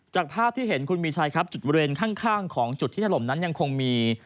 จากภาพที่เห็นคุณมีชัยครับจุดบริเวณข้างของจุดที่ถล่มนั้นยังคงมี